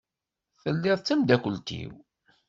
Telliḍ d tamdakelt-iw.